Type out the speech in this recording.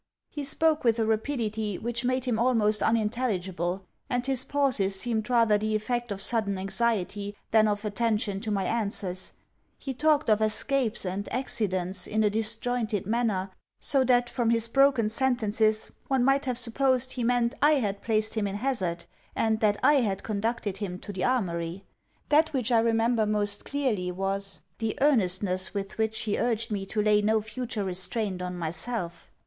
He spoke with a rapidity which made him almost unintelligible; and his pauses seemed rather the effect of sudden anxiety, than of attention to my answers; he talked of escapes and accidents in a disjointed manner; so that, from his broken sentences, one might have supposed he meant I had placed him in hazard, and that I had conducted him to the Armoury. That which I remember most clearly was, the earnestness with which he urged me to lay no future restraint on myself.